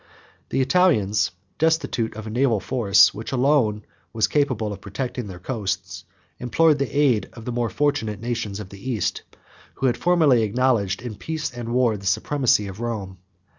The Italians, destitute of a naval force, which alone was capable of protecting their coasts, implored the aid of the more fortunate nations of the East; who had formerly acknowledged, in peace and war, the supremacy of Rome.